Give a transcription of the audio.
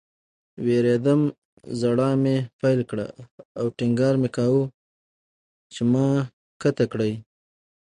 ووېرېدم. ژړا مې پیل کړه او ټینګار مې کاوه چې ما ښکته کړئ